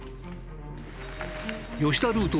吉田ルート